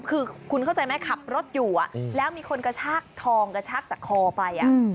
คือคุณเข้าใจไหมขับรถอยู่แล้วมีคนกระชากทองกระชากจากคอไป